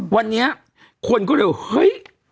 วันนี้คนก็เรียกว่าเฮ้ย